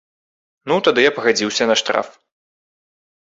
Ну, тады я пагадзіўся на штраф.